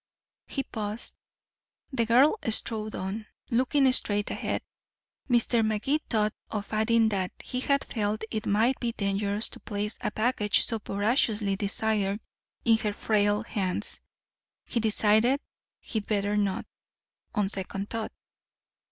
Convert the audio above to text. He paused. The girl strode on, looking straight ahead. Mr. Magee thought of adding that he had felt it might be dangerous to place a package so voraciously desired in her frail hands. He decided he'd better not, on second thought.